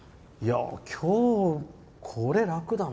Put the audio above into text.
今日、これ楽だな。